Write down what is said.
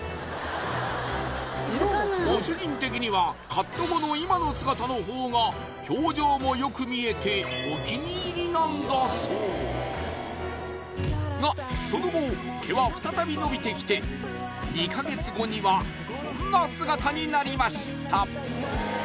ご主人的にはカット後の今の姿の方が表情もよく見えてお気に入りなんだそうがその後毛は再び伸びてきて２か月後にはこんな姿になりました